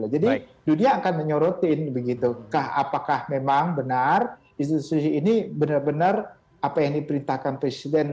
jadi dunia akan menyorotin apakah memang benar institusi ini benar benar apa yang diperintahkan presiden